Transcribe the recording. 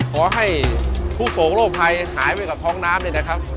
ขอให้ทุกโสโรบให้หายไปกับท้องน้ำนะครับ